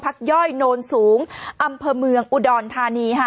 ปรากฏว่าสิ่งที่เกิดขึ้นคลิปนี้ฮะ